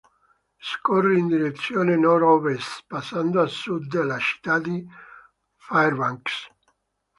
Scorre in direzione nord-ovest passando a sud della città di Fairbanks.